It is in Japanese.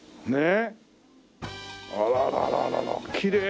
ねえ。